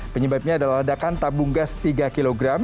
penyebabnya adalah ledakan tabung gas tiga kg